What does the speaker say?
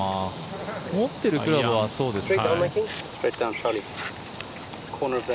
持っているクラブはそうですね。